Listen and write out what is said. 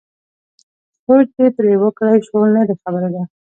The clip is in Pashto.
سوچ دې پرې وکړای شو لرې خبره ده.